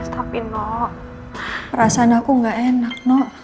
tapi no perasaan aku nggak enak